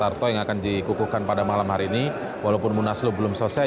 harto yang akan dikukuhkan pada malam hari ini walaupun munaslup belum selesai